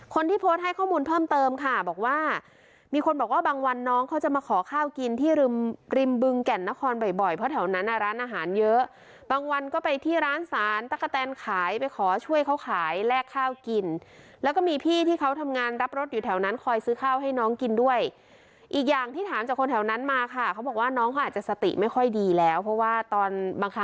คนที่โพสต์ให้ข้อมูลเพิ่มเติมค่ะบอกว่ามีคนบอกว่าบางวันน้องเขาจะมาขอข้าวกินที่ริมริมบึงแก่นนครบ่อยบ่อยเพราะแถวนั้นอ่ะร้านอาหารเยอะบางวันก็ไปที่ร้านสารตะกะแตนขายไปขอช่วยเขาขายแลกข้าวกินแล้วก็มีพี่ที่เขาทำงานรับรถอยู่แถวนั้นคอยซื้อข้าวให้น้องกินด้วยอีกอย่างที่ถามจากคนแถวนั้นมาค่ะเขาบอกว่าน้องเขาอาจจะสติไม่ค่อยดีแล้วเพราะว่าตอนบางค